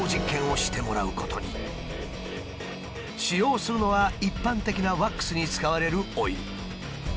使用するのは一般的なワックスに使われるオイル。